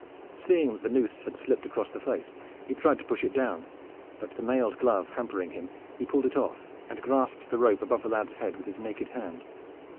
Seeing that the noose had slipped across the face, he tried to push it down, but the mail glove hampering him he pulled it off, and grasped the rope above the lad's head with his naked hand.